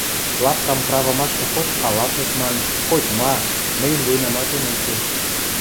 Лапкам кравымашты хоть халатность ман, хоть-ма — мӹньӹн вуйнаматем уке.